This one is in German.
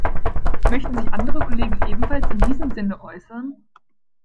Möchten sich andere Kollegen ebenfalls in diesem Sinne äußern?